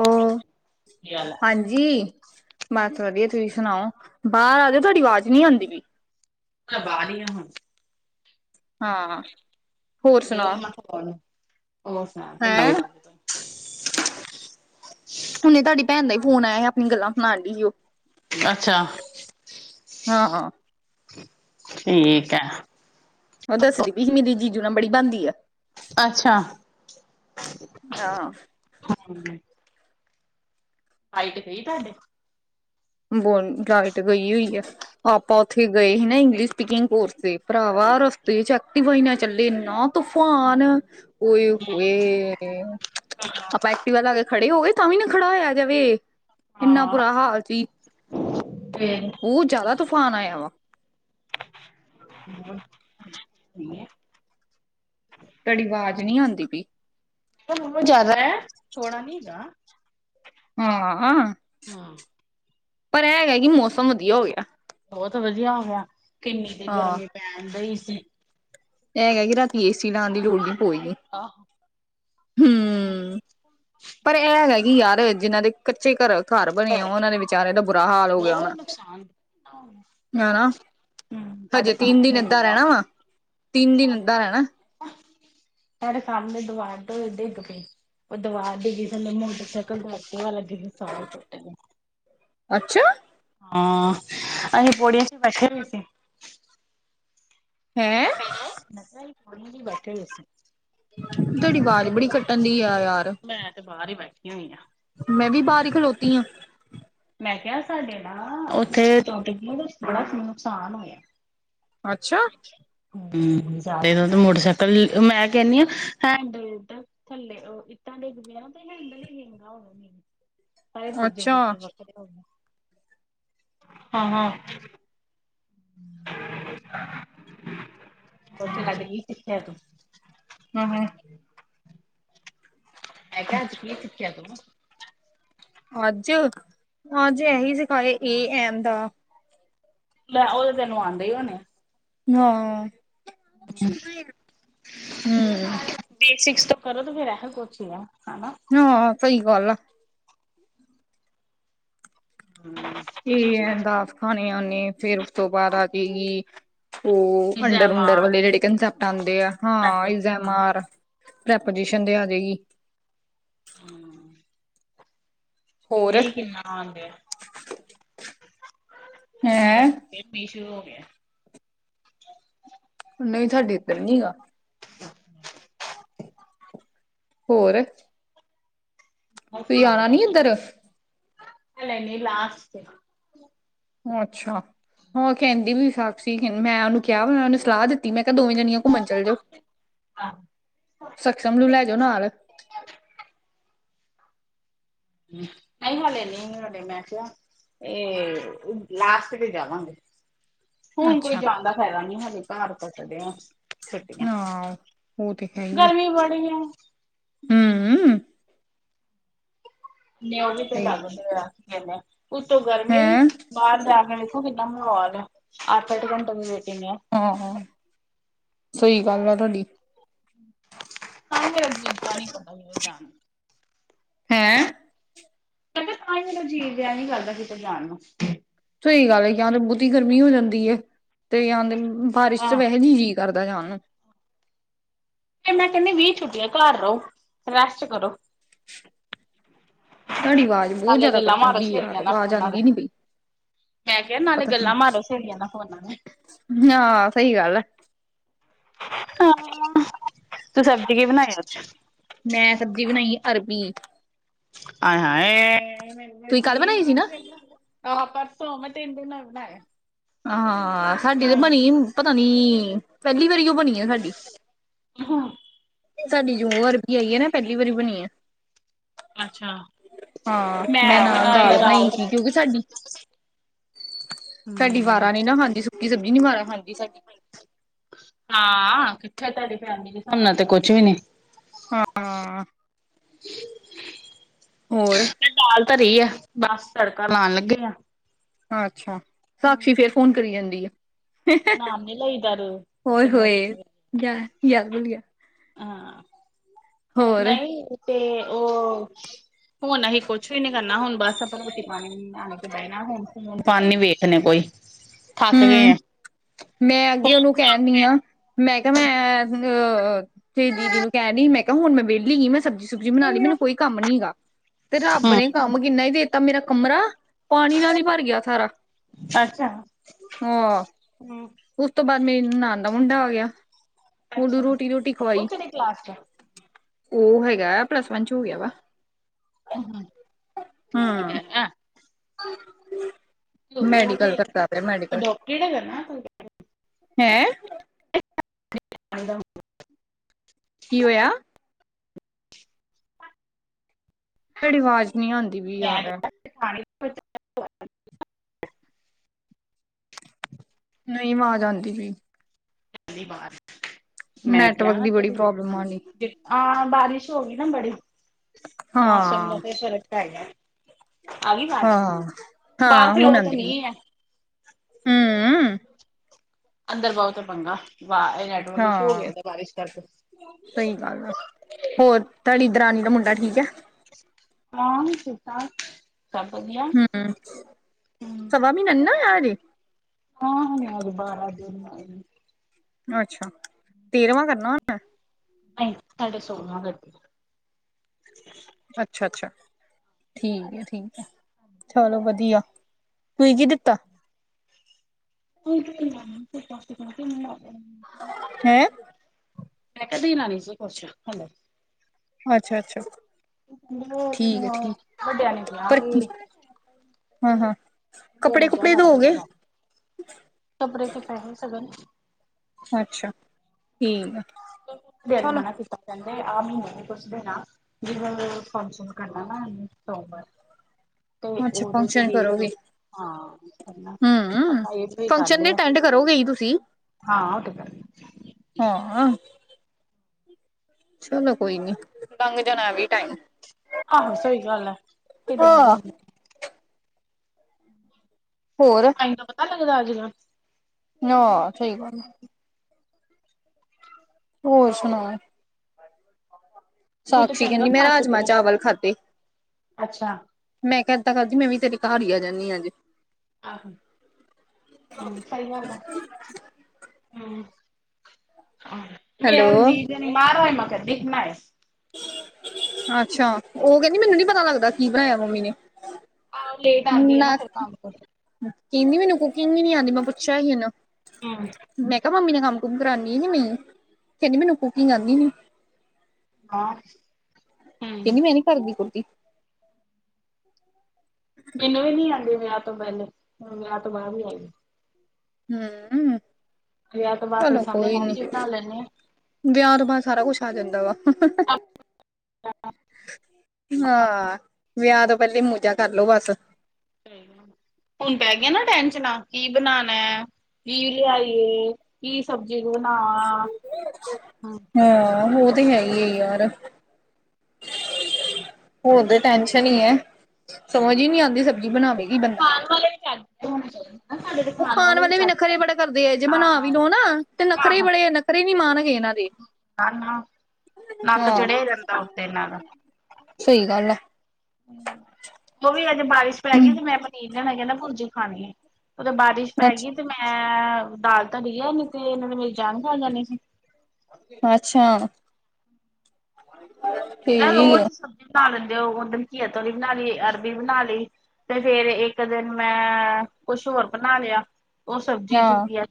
ਹੋਰ ਹਾਂਜੀ ਜੀ, ਬਸ ਵਧੀਆ ਤੁਸੀਂ ਸੁਣਾਓ? ਬਾਹਰ ਆ ਜਾਓ ਤੁਹਾਡੀ ਆਵਾਜ਼ ਨੀ ਆਂਦੀ ਪਈ। ਮੈਂ ਤਾ ਬਾਹਰ ਈ ਆ ਹੁਣ। ਹਾਂ ਹੋਰ ਸੁਣਾਓ ਹੈਂ [unintelligible] ਹੁਣੇ ਤੁਹਾਡੀ ਭੈਣ ਦਾ ਹੀ ਫੋਨ ਆਇਆ ਸੀ ਆਪਣੀ ਗੱਲਾਂ ਸੁਣਾ ਰਹੀ ਸੀ ਉਹ। ਅੱਛਾ ਹਾਂ ਠੀਕ ਐ। ਉਹ ਦੱਸਦੀ ਪਈ ਸੀ। ਮੇਰੀ ਜੀਜੂ ਨਾਲ ਬੜੀ ਬਣਦੀ ਆ। ਅੱਛਾ। ਹਾਂ -ਹਾਂ। ਹੂੰ ਲਾਈਟ ਗਈ ਤੁਹਾਡੇ। ਬੋ ਲਾਈਟ ਗਈ ਹੋਈ ਆ। ਆਪਾਂ ਉੱਥੇ ਗਏ ਸੀ ਨਾ ਇੰਗਲਿਸ਼ ਸਪੀਕਿੰਗ ਕੋਰਸ ਤੇ ਭਰਾਵਾ ਰਸਤੇ 'ਚ ਐਕਟਿਵਾ ਈ ਨਾ ਚੱਲੇ। ਇੰਨਾ ਤੂਫਾਨ ਓ ਹੋਏ ਓ। ਆਪਾਂ ਐਕਟੀਵਾ ਲਾਅ ਕੇ ਖੜੇ ਹੋ ਗਏ ਤਾਂ ਵੀ ਨਾ ਖੜਾ ਹੋਇਆ ਜਾਵੇ। ਇੰਨਾ ਬੁਰਾ ਹਾਲ ਸੀ। । [unintelligible] ਬਹੁ ਜ਼ਿਆਦਾ ਤੂਫਾਨ ਆਇਆ ਵਾ। [unintelligible] ਤੁਹਾਡੀ ਆਵਾਜ਼ ਨੀਂ ਆਂਦੀ ਪਈ। ਹਾ ਜ਼ਿਆਦਾ ਐ ਥੋੜਾ ਨੀ ਹੈਗਾ। ਹਾਂ ਆ। ਹਾਂ। ਪਰ ਇਹ ਹੈਗਾ ਕਿ ਮੌਸਮ ਵਧੀਆ ਹੋ ਗਿਆ। ਬਹੁਤ ਵਧੀਆ ਹੋ ਗਿਆ ਕਿੰਨੀ ਦੀ ਹਾਂ ਗਰਮੀ ਪੈਣ ਡਈ ਸੀ। ਇਹ ਹੈਗਾ ਕਿ ਰਾਤੀ ਏਸੀ ਲਾਂਣ ਦੀ ਲੋੜ ਨੀ ਹੋਏਗੀ। ਆਹੋ ਹਮ। ਪਰ ਇਹ ਹੈਗਾ ਕਿ ਯਾਰ ਜਿਹਨਾਂ ਦੇ ਕੱਚੇ ਘਰ ਘਰ ਬਣੇ ਆ। ਉਹਨਾਂ ਦੇ ਵਿਚਾਰੇ ਦਾ ਬੁਰਾ ਹਾਲ ਹੋ ਗਿਆ ਹੋਣਾ ਹਨਾ। ਹਜੇ ਤਿੰਨ ਦਿਨ ਏਦਾਂ ਰਹਿਣਾ ਵਾ ਤਿੰਨ ਦਿਨ ਏਦਾਂ ਰਹਿਣਾ। ਸਾਡੇ ਸਮਣੇ ਦਵਾਰ ਤੋਂ ਡਿੱਗ ਪਈ। ਉਹ ਦਵਾਰ ਡਿੱਗੀ ਧੱਲੇ ਮੋਟਰਸਾਈਕਲ [unintelligible] ਲੱਗੇ ਸੀ ਸਾਰੇ ਟੁਟੱ ਗਿਆ। ਅੱਛਾ। ਹਾਂ ਅਸੀਂ ਪੌੜੀਆਂ 'ਚ ਬੈਠੇ ਹੋਏ ਸੀ। ਹੈ। ਹਾ ਮੇਖਾਂ ਅਸੀਂ ਪੌੜੀਆਂ 'ਚ ਬੈਠੇ ਹੋਏ ਸੀ। ਤੁਹਾਡੀ ਆਵਾਜ਼ ਬੜੀ ਕੱਟਣ ਢਹੀ ਆ ਯਾਰ। ਮੈਂ ਤੇ ਬਾਹਰ ਹੀ ਬੈਠੇ ਹੋਈ ਆ। ਮੈਂ ਵੀ ਬਾਹਰ ਈ ਖਲੋਤੀ ਆ। ਮੈਂਖ ਸਾਡੇ ਨਾ ਉੱਥੇ ਟੋਪਕ ਨੂੰ ਬੜਾ ਨੁਕਸਾਨ ਹੋਇਆ। ਅੱਛਾ। ਹੂੰ ਸਾਰੇ ਦਾ ਤੇ ਮੋਟਰਸਾਈਕਲ ਮੈਂ ਕਹਿੰਣੀ ਆ ਹੈਂਡ ਥੱਲੇ ਉਹ ਇੱਟਾਂ ਡਿੱਗ ਪਈਆ ਤੇ ਹੈਂਡਲ ਵੀਗਾਂ ਹੋ ਗਿਆ। ਭਏ ਪੁਰਜੇ ਅੱਛਾ ਪੁਰਜੇ ਵੱਖਰੇ ਹੋ [unintelligible] ਹਾਂ - ਹਾਂ, ਹਮ। [unintelligible] ਉੱਥੇ ਲੱਗ ਕੇ ਕੀ ਸਿੱਖਿਆ ਤੂੰ। ਹਾਂ ਹਾਂ। ਹੈ ਕਿਹਾਆ ਅੱਜ [unintelligible] ਕੀ ਸਿੱਖਿਆ ਤੂੰ। ਅੱਜ, ਅੱਜ ਇਹੀ ਸਿਖਾਏ ਏ ਐਮ ਦਾ ਲੈ ਉਹ ਤਾਂ ਤੈਨੂੰ ਆਉਂਦੇ ਹੀ ਹੋਣੇ ਹਾਂ, ਹਮ। ਬੇਸਿਕਸ ਤੋਂ ਕਰੋ ਤੇ ਫੇਰ ਇਹ ਕੁਛ ਹੀ ਆ ਹਨਾ। ਹਾਂ ਸਹੀ ਗੱਲ ਆ। [unintelligible] ਕੀ [unintelligible] ਖਾਣੇ ਉਹੇ ਫੇਰ ਉਸ ਤੋਂ ਆ ਉਹ ਅੰਡਰ ਉੰਡਰ ਵਾਲੇ ਜਿਹੜੇ ਕੰਸਪਟ ਆਉਂਦੇ ਆ ਹਾਂ ਇੰਜ, ਐੱਮ, ਆਰ। ਪ੍ਰੈਪੋਜੀਸ਼ਨ ਦੇ ਆ ਗਈ। ਹਮ। ਹੋਰ ਮੀਂਹ ਕਿਨਾ ਆਣ ਡੈਆ। ਹੈਂ ਮੀਂਹ ਫੇਰ ਸ਼ੁਰੂ ਹੋ ਗਏ। ਨਹੀਂ ਸਾਡੇ ਇਧਰ ਨੀ ਗਾ। ਹਮ [unintelligible] ਹੋਰ। ਤੁਸੀਂ ਆਣਾ ਨੀ ਇੱਧਰ [unintelligible] ਲਾਸਟ ਤੇ। ਅੱਛਾ ਹਾਂ ਕਹਿੰਦੀ ਵੀ ਸਾਖ ਸੀ ਕਹਿੰਦੀ ਮੈਂ ਉਹਨੂੰ ਕਿਹਾ ਮੈਂ ਉਹਨੇ ਸਲਾਹ ਦਿੱਤੀ। ਮੈਂ ਕਿਹਾ ਦੋਵੇਂ ਜਣੀਆਂ ਘੁੰਮਣ ਚੱਲ ਜਾਓ, ਸਕਸ਼ਮ ਨੂੰ ਲੈ ਜਾਓ ਨਾਲ। ਹ ਨਹੀਂ ਹਾਲੇ ਨੀ ਹਾਲੇ ਮੈਂ ਕਿਹਾ ਇਹ, ਲਾਸਟ ਮੇਂ ਜਾਵਾਂਗੇ। ਹੁਣ ਕੋਈ ਅੱਛਾ ਜਾਣ ਦਾ ਫਾਇਦਾ ਨੀ ਹਜੇ ਘਰ ਕੱਟਦੇ ਆ। ਛੁੱਟੀਆਂ, ਹਾਂ ਉਹ ਤੇ ਗਰਮੀ ਬੜੀ ਆ। ਹਮ। ਨ ਉਹ ਵੀ ਤੇ ਸਹੀ ਲੱਗਦੇ ਰਾਖ ਉਤੋਂ ਗਰਮੀ ਵੀ ਹੈਂ ਬਾਹਰ ਜਾ ਕੇ ਵਖੋ ਕਿੰਨਾ ਬੁਰਾ ਹਾਲ ਐ ਅੱਠ-ਅੱਠ ਘੰਟੇ ਦੀ ਵੇਟਿੰਗ ਆ। ਹਾਂ, ਸਹੀ ਗੱਲ ਆ ਤੁਹਾਡੀ। ਤਾਂਹੀ ਮੇਰਾ ਜੀ ਜਾ ਨੀ ਕਰਦਾ ਜਾਣ ਨੂੰ। ਹੈਂ ਕਹਿੰਦੇ ਤਾਂਹੀ ਮੇਰਾ ਜੀਅ ਜੀਆ ਨੀ ਕਰਦਾ ਕਿਤੇ ਜਾਣ ਨੂੰ। ਸਹੀ ਗੱਲ ਹੈ ਜਾਂਦੇ ਬਹੁਤੀ ਗਰਮੀ ਹੋ ਜਾਂਦੀ ਹੈ, ਤੇ ਜਾਂ ਦੇ ਬਾਰਿਸ਼ ਤਾਂ ਵੈਸੇ ਨੀ ਜੀ ਕਰਦਾ ਜਾਣ ਨੂੰ। ਫਿਰ ਮੈਂ ਕਹਿੰਦੀ ਵੀਹ ਛੁੱਟੀ ਆ ਘਰ ਰਹੋ, ਰੈਸਟ ਕਰੋ। ਤੁਹਾਡੀ ਆਵਾਜ਼ ਬਹੁਤ ਜਿਆਦਾ ਕੱਟਣ ਡਹੀ, ਆਵਾਜ਼ ਆਉਂਦੀ ਨੀ ਪਈ। ਪਤਾ ਨੀ, ਹਾਂ ਸਹੀ ਗੱਲ ਆ। ਹਾਂ [unintelligible] [unintelligible] ਤੂੰ ਸਬਜ਼ੀ ਕੀ ਬਣਾਈ ਅੱਜ। ਮੈਂ ਸਬਜ਼ੀ ਬਣਾਈ ਅਰਬੀ। ਆ ਹਾਂਨ ਤੁਸੀਂ ਕੱਲ ਬਣਾਈ ਸੀ ਨਾ [unintelligible] ਆਹੋ ਪਰਸੋਂ ਮੈਂ ਤਿੰਨ ਦਿਨ ਬਣਾਇ। ਹਾਂ, ਸਾਡੀ ਤੇ ਬਣੀ ਪਤਾ ਨੀ, ਪਹਿਲੀ ਵਾਰੀ ਉਹ ਬਣੀ ਆ ਸਾਡੀ। ਹਾਂ। ਸਾਡੇ ਜੋ ਅਰਬੀ ਆਈ ਨਾ ਪਹਿਲੀ ਵਾਰੀ ਬਣੀ ਆ। ਅੱਛਾ ਹਾਂ ਮੈਂ ਨਾਲ ਦਾਲ ਬਣਾਈ ਸੀ ਕਿਉਂਕਿ ਸਾਡੀ ਸਾਡੀ ਵਾਰਾ ਨੀ ਨਾ ਖਾਂਦੀ ਸੁੱਕੀ ਸਬਜ਼ੀ ਨੀ ਵਾਰਾ ਖਾਂਦੀ ਸਾਡੀ। ਹਾਂ, ਕਿੱਥੇ ਤੁਹਾਡੀ ਫੈ ਹਿਸਾਬ ਨਾਲ ਤੇ ਕੁਛ ਵੀ ਨੀ। ਹਾਂ। [unintelligible] ਹੋਰ ਦਾਲ ਧਰੀ ਆ ਬਸ ਤੜਕਾ ਲਾਉਣ ਲੱਗੇ ਆ। ਅੱਛਾ, ਸਾਕਸ਼ੀ ਫਿਰ ਫੋਨ ਕਰੀ ਜਾਂਦੀ ਆ। [unintelligible] ਉਏ, ਉਏ ਯ ਯ ਬੋਲ ਗਿਆ। ਹਾਂ, ਹੋਰ ਨਹੀਂ ਤੇ ਉਹ ਹੁਣ ਅਸੀਂ ਕੁਛ ਵੀ ਨੀ ਕਰਨਾ ਹੁਣ ਬਸ ਆਪਾਂ ਰੋਟੀ - ਪਾਣੀ ਤੇ ਬੈਣਾ ਹੁਣ ਫੋਨ ਫਾਨ ਨੀ ਵੇਖਣੇ ਕੋਈ, ਥੱਕ ਗਏ ਹੂੰ। ਆ। ਮੈਂ ਅੱਗੇ ਫੋਨ ਉਹਨੂੰ ਤੋਂ ਕਹਿਣ ਅੱਕ ਦਈ ਗਏ ਆ ਮੈਂ ਕਿਹਾ ਮੈਂ ਅ ਤੇਰੀ ਦੀਦੀ ਨੂੰ ਕਹਿਣ ਡਈ ਸੀ ਮੈਂ ਕਿਹਾ ਹੁਣ ਮੈਂ ਵਿਹਲੀ ਸੀ ਮੈਂ ਸਬਜ਼ੀ ਸੁਬ- ਸਬਜ਼ੀ ਬਣਾ ਲਈ ਮੈਨੂੰ ਕੋਈ ਕੰਮ ਨੀ ਹੈਗਾ ਤੇ ਰੱਬ ਹੂੰ ਨੇ ਕੰਮ ਕਿੰਨਾ ਹੀ ਦੇਤਾ ਮੇਰਾ ਕਮਰਾ ਪਾਣੀ ਨਾਲ ਹੀ ਭਰ ਗਿਆ ਸਾਰਾ। ਅੱਛਾ। ਹਾਂ, ਉਸ ਤੋਂ ਬਾਅਦ ਮੇਰੀ ਨਨਾਣ ਦਾ ਮੁੰਡਾ ਆਗਿਆ। ਉਹ ਨੂੰ ਰੋਟੀ ਰੂਟੀ ਖਵਾਈ, ਉਹ ਹੈਗਾ ਪਲੱਸ ਵਨ ਚ ਹੋ ਗਿਆ ਵਾ। ਹਮ ਹਮ [unintelligible] ਹਮ [unintelligible] ਮੈਡੀਕਲ ਕਰਦਾ ਪਿਆ ਮੈਡੀਕਲ। ਹੈਂ ਹਣੀ ਤਾਂ [unintelligible] ਕੀ ਹੋਇਆ? ਤੁਹਾਡੀ ਵਾਜ਼ ਨਹੀਂ ਆਂਦੀ ਪਈ ਯਾਰ। ਨਹੀਂ ਵਾਜ਼ ਆਂਦੀ ਪਈ। ਧੰਨੀ ਬਦ [unintelligible] ਨੈਟਵਰਕ ਦੀ ਬੜੀ ਪ੍ਰੋਬਲਮ ਆਂਡੀ। ਹਾਂ ਬਾਰਿਸ਼ ਹੋ ਗਈ ਨਾ ਬੜੀ ਮੌਸਮ ਦਾ ਹਾਂ ਫ ਫ਼ਰਕ ਪੇਗਿਆਂ। [unintelligible] ਆਵ ਵਜ ਹਾਂ ਬਾਹਰ ਹਾਂ ਕੇ ਲੋਕ ਤਾਂ ਨੀ ਹੈ। ਹਮ ਅੰਦਰ ਬਹੁਤ ਪੰਗਾ ਵਾਹ ਨੈਟਵਰਕ ਇਸ਼ੂ ਹੋ ਗਿਆ ਹਾਂ ਬਾਰਿਸ਼ ਕਰਕੇ। ਸਹੀ ਗੱਲ ਆ। ਹੋਰ ਤੁਹਾਡੀ ਦਰਾਣੀ ਦਾ ਮੁੰਡਾ ਠੀਕ ਐ। [unintelligible] ਹਾਂ ਠੀਕ ਆ [inaudible] ਘਰ ਵਧੀਆ ਹਮ [inaudible] ਸਵਾ ਮਹੀਨਾ ਨੀਂ ਨਾ ਹੋਇਆ ਹਜੇ। ਹਾਂ ਹਾਂ ਬਾਰ ਅੱਛਾ [unintelligible] ਤੇਰਵਾਂ ਕਰਨਾ ਹੋਨਾ। ਨਹੀਂ ਸਾਡੇ ਸੋਲ੍ਹਵਾਂ ਅੱਛਾ - ਅੱਛਾ [inaudible] ਠੀਕ ਹੈ ਠੀਕ ਐ। ਚਲੋ ਵਧੀਆ। ਤੁਸੀਂ ਕੀ ਦਿੱਤਾ? ਕੋਸ ਹੈਂ [unintelligible] ਮੈਂ ਕਿਹਾ ਦੇਣਾ ਨੀ ਸੀ ਕੁਝ ਹਲੇ। ਅੱਛਾ ਅੱਛਾ [unintelligible] ਠੀਕ ਹੈ ਠੀਕ ਵੱਡਿਆਂ ਨੇ ਕਿਹਾ ਪਰ ਵੀ ਹਾਂ ਹਾਂ [inaudible] ਕੱਪੜੇ ਕੁਪੜੇ ਦੋ ਗਏ। ਕੱਪੜੇ ਤੇ ਪੇਗੇ ਸ਼ਗਨ ਅੱਛਾ, ਠੀਕ ਐ। ਮਨਾ ਕੀ ਕੀਤਾ ਕਹਿੰਦੇ ਆਹ ਮਹੀਨੇ ਨੇ ਕੁੱਛ ਦਿ ਨਾ। ਜਿਵੇਂ ਫੰਕਸ਼ਨ ਕਰਨ ਨਾ ਸੋਮਵਾਰ ਤੇ ਅੱਛਾ ਉਦੋਂ ਤੋਂ ਫੰਕਸ਼ਨ ਹੀ ਕਰੋਗੇ ਹਾਂ ਪਤਾ ਇਹ ਤੇ ਹੀ ਕਰ ਲਿਆ ਈਵੈਂਟ ਕਰੋਗੇ ਜੀ ਤੁਸੀਂ? ਹਾਂ ਤੇ ਕਰਨਾ। ਹਮ। ਚਲੋ ਕੋਈ ਨੀ [unintelligible] ਲੰਘ ਜਾਣਾ ਵੀ ਟਾਈਮ। ਆਹੋ ਸਹੀ ਗੱਲ ਏ। ਕਿੰਨਾ ਹੋਰ। ਤੈਨੂੰ ਪਤਾ ਲੱਗਦਾ ਅੱਜ ਦਾ ਨਾ ਸਹੀ ਗੱਲ ਐ। ਹੋਰ ਸੁਣਾ। ਸਾਕਸ਼ੀ ਕਹਿੰਦੀ ਮੈਂ ਰਾਜਮਾਂ ਚਾਵਲ ਖਾਧੇ। ਮੈਂ ਕਹਿਦਾ ਕਰਦੀ ਮੈਂ ਵੀ ਤੇਰੇ ਘਰ ਹੀ ਆ ਜਾਂਦੀ ਅੱਜ। ਆਹੋ, ਹਾਂਜੀ ਕਈ ਵਾਰ ਦਾ ਹੈਲੋ, ਜੀ ਦੇ ਨਹੀ ਮਾਰ ਮੈਂ ਕਿਹਾ ਦੇਖਣਾ। ਅੱਛਾ, ਉਹ ਕਹਿੰਦੀ ਮੈਨੂੰ ਨੀ ਪਤਾ ਲੱਗਦਾ ਕੀ ਬਣਾਇਆ ਮੰਮੀ ਨੇ। ਆਹੋ ਲੇਟ ਆਦੀ ਆ ਨਾ ਫਿਰ ਕੰਮ ਤੋਂ ਕਹਿੰਦੀ ਮੈਨੂੰ ਕੁਕਿੰਗ ਵੀ ਨੀ ਆਦੀ ਮੈਂ ਪੁੱਛਿਆ ਸੀ ਇਹਨੂੰ। ਹੁਅ ਮੈਂ ਕਿਹਾ ਮੰਮੀ ਨਾਲ ਕੰਮ - ਕੁਮ ਕਰਾਂਦੀ ਆ ਨਹੀਂ ਕਹਿੰਦੀ ਮੈਨੂੰ ਕੁਕਿੰਗ ਆਂਦੀ ਨੀ। ਕੋਣ ਕਹਿੰਦੀ ਮੈਂ ਨੀ ਕਰਦੀ ਕੁੁਰਦੀ। [inaudible] ਮੈਨੂੰ ਵੀ ਨੀ ਆਦੀ ਵਿਆਹ ਤੋਂ ਪਹਿਲੇ ਵਿਆਹ ਤੋਂ ਬਾਅਦ ਵੀ ਆਈ। ਹੂੰ-ਅਮ ਵਿਆਹ ਤੋਂ ਬਾਅਦ ਤੇਰੇ ਸਾਹਮਣੇ ਹਰ ਚੀਜ਼ ਬਣਾ ਲੈਣੇ ਹਾਂ। ਵਿਆਹ ਤੋਂ ਬਾਅਦ ਸਾਰਾ ਕੁੱਛ ਆ ਜਾਂਦਾ ਵਾ। [unintelligible] ਹਾਂ ਵਿਆਹ ਤੋਂ ਪਹਿਲੇ ਮੋਜਾ ਕਰਲੋ ਬਸ। ਹੁਣ ਪੈ ਗਿਆ ਨਾ ਟੈਸ਼ਨਾਂ ਕੀ ਬਣਾਣਾ ਕੀ ਲਿਆਈਏ। ਕੀ ਸਬਜ਼ੀ ਬਣਾਵਾ ਹੂੰ ਹਾਂ ਉਹ ਤੇ ਹੈ ਹੀ ਯਾਰ, ਹੋਰ ਤੇ ਟੈਨਸ਼ਨ ਹੀ ਐ ਸਮਝ ਹੀ ਨੀ ਆਦੀ ਸਬਜ਼ੀ ਬਣਾਵੇਗੀ ਕਿ ਬੰਦਾ। [unintelligible] ਉਹ ਖਾਣ ਵਾਲੇ ਵੀ ਨਖਰੇ ਬੜੇ ਕਰਦੇ ਏ ਜੇ ਬਣਾ ਵੀ ਲਓ ਨਾ ਤੇ ਨਖਰੇ ਬੜੇ ਨਖਰੇ ਨੀ ਮਾਣ ਹਗੇ ਇਹਨਾਂ ਦੇ। ਨੱਕ, ਨੱਕ ਹਾਂ ਚੜਿਆ ਜਾਂਦਾ ਉੱਤੇ ਇਹਨਾਂ ਦਾ। ਸਹੀ ਗੱਲ ਐ ਉਹ ਵੀ ਅਜੇ ਬਾਰਿਸ਼ ਪੈ ਗਈ ਤੇ ਮੈਂ ਪਨੀਰ ਲਿਆਣਾ ਕਹਿੰਦਾ ਭੁਰਜੀ ਖਾਣੀ ਐ। ਉਹ ਤਾਂ ਬਾਰਿਸ਼ ਪੈ ਗਈ ਤੇ ਅੱਛਾ ਮੈਂ ਦਾਲ ਧਰੀ ਹੈ ਨੀ ਤੇ ਇਹਨਾਂ ਨੇ ਮੇਰੀ ਜਾਣ ਖਾ ਜਾਂਣੀ ਸੀ। ਅੱਛਾ। [unintelligible] ਕਹਿੰਦਾ ਹੈ ਰੋਜ਼ ਸਬਜ਼ੀ ਬਣਾ ਲੈਂਦੇ ਹੋਧਨ ਘੀਆ ਤੋਰੀ ਬਣਾ ਲਈ ਅਰਬੀ ਬਣਾ ਲਈ ਤੇ ਫਿਰ ਇੱਕ ਦਿਨ ਮੈਂ ਕੁਛ ਹੋਰ ਬਣਾ ਲਿਆ। ਉਹ ਸਬਜ਼ੀ ਚੁਕ ਹਾਂ ਕੇ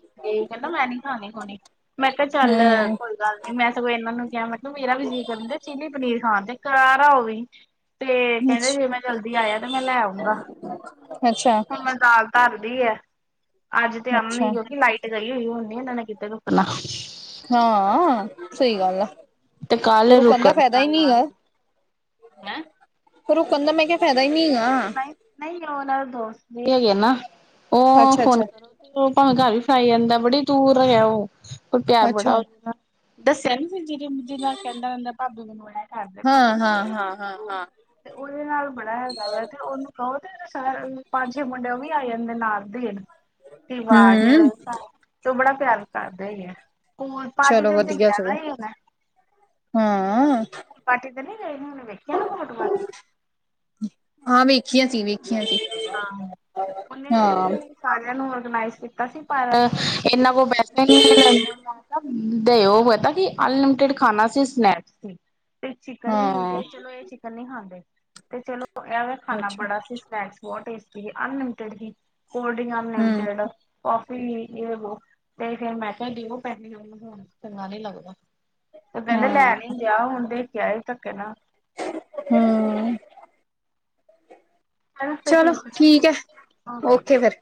ਕਹਿੰਦਾ ਮੈਂ ਨਹੀਂ ਖਾਣੀ ਹੋਣੀ ਮੈਂ ਕਿਹਾ ਚੱਲ ਹਮ ਕੋਈ ਗੱਲ ਨਹੀਂ। ਮੈਂ ਸਗੋਂ ਇਹਨਾਂ ਨੂੰ ਕਿਹਾ ਮਤਲਬ ਮੇਰਾ ਵੀ ਜੀਅ ਕਰਦਾ ਚਿਲੀ ਪਨੀਰ ਖਾਣ ਦਾ ਤੇ ਕਰਾਰਾ ਹੋਵੇ। ਤੇ ਕਹਿੰਦਾ ਜੇ ਅੱਛਾ ਮੈਂ ਜਲਦੀ ਆਇਆ ਤੇ ਮੈਂ ਲੈ ਆਊਂਗਾ, ਅੱਛਾ ਹੁਣ ਮੈਂ ਦਾਲ ਘਰਦੀ ਐ, ਅੱਜ ਤੇ ਆਮਨੀ ਅੱਛਾ ਕਿਉਂਕਿ ਲਾਈਟ ਗਈ ਹੋਈ ਹੁਣ ਨਾ ਇਹਨਾਂ ਨੇ ਕਿਤੇ ਰੋਕਣਾ ਹਾਂ ਸਹੀ ਗੱਲ ਆ ਤੇ ਕੱਲ ਰੁਕਣ ਦਾ ਫਾਇਦਾ ਹੀ ਨਹੀਂ ਗਾ। ਹੈਂ। ਰੁਕਣ ਦਾ ਮੈ ਕਿਹਾ ਫਾਇਦਾ ਹੀ ਨੀ ਗਾ। ਨਹੀਂ ਉਹਨਾਂ ਦੋਸਤ ਨਹੀਂ ਹੈਗੇ ਨਾ, ਉਹ ਅੱਛਾ ਫੋਨ ਅੱਛਾ ਕੀਤਾ। ਉਹ ਭਾਵੇਂ ਘਰ ਵੀ ਫਾਈ ਜਾਂਦਾ ਬੜੀ ਦੂਰ ਗਿਆ ਉਹ ਪਰ ਪਿਆਰ ਅੱਛਾ ਬੜਾ ਹੋ ਜਾਂਦਾ ਦੱਸਿਆ ਨੀ ਸੀ ਜਿ ਜਿਹਦਾ ਕਹਿੰਦਾ ਹੁੰਦਾ ਭਾਬੇ ਮੈਨੂੰ ਐ ਕਰਦੇ ਭਾਬੇ ਹਾਂ ਹਾਂ ਹਾਂ ਹਾਂ [unintelligible] ਹਾਂ ਤੇ ਉਹਦੇ ਨਾਲ ਬੜਾ ਹੈਗਾ ਵਾ ਤੇ ਉਹਨੂੰ ਕਹੋ ਕਹਿੰਦਾ ਸਾਰਾ ਪੰਜ, ਛੇ ਮੁੰਡੇ ਉਹ ਵੀ ਆ ਜਾਂਦੇ ਨਾਲ ਦੇ ਰਵਾਜ਼ ਹਮ ਤੇ ਉਹ ਬੜਾ ਪਿਆਰ ਕਰਦਾ ਹੀ ਆ ਹੋਰ ਪਾਰਟੀ ਚਲੋ ਦੇ ਤੇ ਵਧੀਆ ਵੇਖਿਆ ਸਗੋਂ ਵੀ ਹੋਣਾ। ਹਾਂ [inaudible] ਪਾਰਟੀ ਤੇ ਨੀ ਗਏ [unintelligible] ਵੇਖਿਆ ਨਾ ਬਹੁਤ ਵਾਰ। ਹਾਂ ਵੇਖੀਆਂ ਸੀ, ਵੇਖਿਆ ਸੀ। ਹਾਂ, ਹਾਂ ਉਹਨੇ, ਸਾਰਿਆਂ ਨੂੰ ਔਰਗਨਾਈਜ਼ ਕੀਤਾ ਸੀ ਪਰ ਇੰਨਾ ਵੋ ਵੈਸੇ ਨੀ [unintelligible] ਦੇ ਉਹ ਪਤਾ ਕਿ ਅਨਲਿਮਿਟਿਡ ਖਾਣਾ ਸੀ ਸਨੈਕਸ ਤੇ। ਤੇ ਚਿਕਨ ਵੀ ਹਾਂ ਚਲੋ ਇਹ ਚਿਕਨ ਨਹੀਂ ਖਾਂਦੇ, ਤੇ ਚਲੋ ਇਹ ਖਾਣਾ ਅੱਛਾ ਬੜਾ ਸੀ। ਪੈਟਿਜ ਬਹੁਤ ਟੈਟਸੀ ਸੀ, ਅਨਲਿਮਟਡ ਜ ਕੋਲਡ ਡਿੰਕ ਹਮ ਅਨਲਿਮਟਡ। ਕਾਫੀ ਇਹ ਤੇ ਫਿਰ ਮੈਂ [unintelligible] ਨਹੀਂ ਲੱਗਦਾ ਕਹਿੰਦੇ ਹਮ ਲੈਣ ਹੀ ਗਿਆ ਹੁਣ [unintelligible] ਧੱਕੇ ਨਾ ਹਮ। ਚਲੋ, ਠੀਕ ਐ, ਓਕੇ ਫੇਰ।